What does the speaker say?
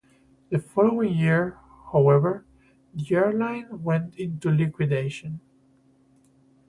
The following year, however, the airline went into liquidation.